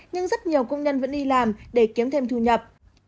nhưng rất nhiều công nhân vẫn đi làm để kiếm thêm thu nhập